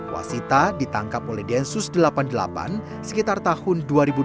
wasita ditangkap oleh densus delapan puluh delapan sekitar tahun dua ribu dua puluh